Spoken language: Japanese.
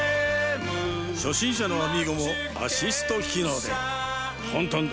初心者のアミーゴもアシスト機能で簡単だ。